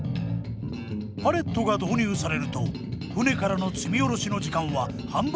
パレットが導入されると船からの積みおろしの時間は半分以下に短縮。